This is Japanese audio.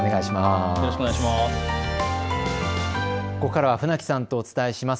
ここからは船木さんとお伝えします。